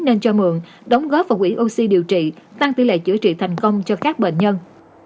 nên cho mượn đóng góp vào quỹ oxy điều trị tăng tỷ lệ chữa trị thành công cho các bệnh nhân